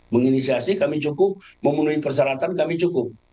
menginisiasi kami cukup memenuhi persyaratan kami cukup